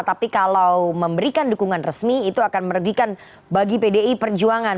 tapi kalau memberikan dukungan resmi itu akan merugikan bagi pdi perjuangan